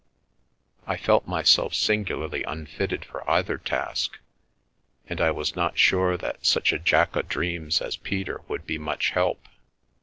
I felt myself singularly unfitted for either task, and I was not sure that such a Jack o* Dreams as Peter would be much help.